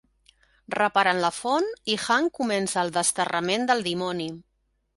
Reparen la font i Hank comença el "desterrament" del dimoni.